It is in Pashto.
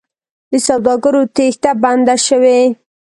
د سوداګرو تېښته بنده شوې؟